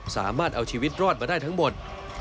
สามารถเอาชีวิตรอดมาได้ทั้งหมด